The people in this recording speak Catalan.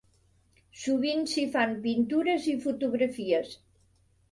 Sovint s'hi fan pintures i fotografies.